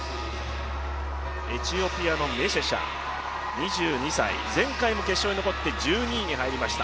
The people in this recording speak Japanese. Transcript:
エチオピアのメシェシャ２２歳、前回も決勝に残って１２位に入りました。